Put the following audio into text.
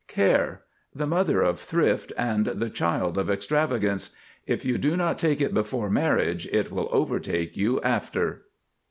CARE. The Mother of Thrift and the Child of Extravagance. If you do not take it before marriage it will overtake you after.